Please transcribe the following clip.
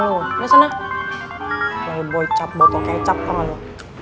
lo yang kecap botol kecap sama lo